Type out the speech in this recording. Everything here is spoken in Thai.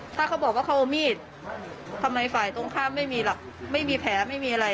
ถ้าเขาบอกว่าเขามีดทำร้ายฝ่ายตรงข้ามไม่มีแผลไม่มีอะไร